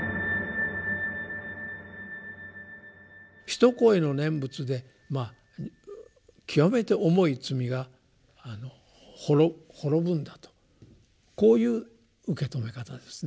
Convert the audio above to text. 一声の念仏で極めて重い罪が滅ぶんだとこういう受け止め方ですね。